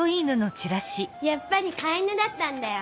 やっぱりかい犬だったんだよ。